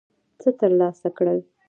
څه ترلاسه کړل.